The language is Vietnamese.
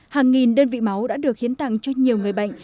hàng nghìn đơn vị máu đã được hiến tặng cho nhiều người bệnh